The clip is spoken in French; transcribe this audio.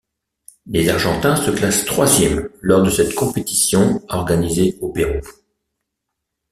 Les argentins se classent troisième lors de cette compétition organisée au Pérou.